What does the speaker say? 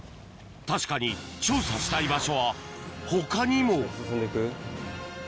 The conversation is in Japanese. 確かに調査したい場所は他にも進んでく？